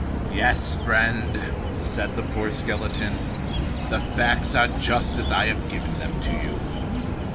"Yes, friend," said the poor skeleton, "the facts are just as I have given them to you.